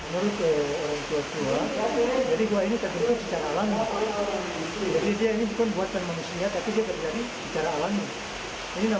gua popogu diberi penyelidikan di kota kecamatan morotai tibur